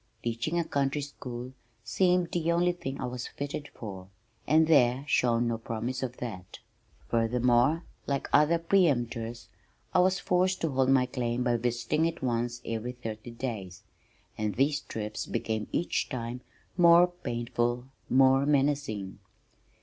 Teaching a country school seemed the only thing I was fitted for, and there shone no promise of that. Furthermore, like other pre emptors I was forced to hold my claim by visiting it once every thirty days, and these trips became each time more painful, more menacing.